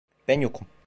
Ben yokum.